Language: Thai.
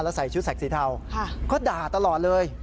แล้วใส่ชุดแสกสีเทาก็ด่าตลอดเลย